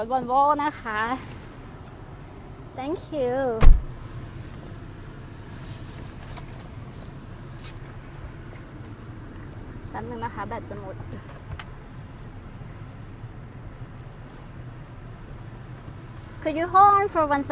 อย่าไปดีกว่าตรงนี้ท่านผมช่วยแบบของตัวเอง